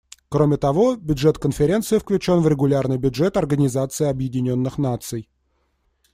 Кроме того, бюджет Конференции включен в регулярный бюджет Организации Объединенных Наций.